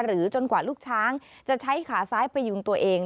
จนกว่าลูกช้างจะใช้ขาซ้ายไปยุงตัวเอง